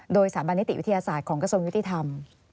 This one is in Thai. โดยสถาบันนิติวิทยาศาสตร์ของกระทรวงยุติธรรม